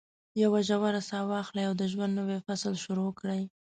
یوه ژوره ساه واخلئ او د ژوند نوی فصل شروع کړئ.